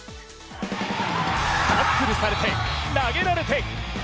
タックルされて、投げられて。